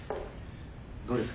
どうですか？